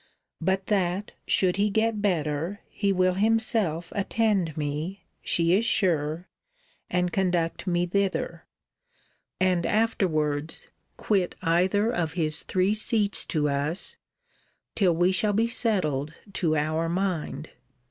But that, should he get better, he will himself attend me, she is sure, and conduct me thither; and afterwards quit either of his three seats to us, till we shall be settled to our mind.'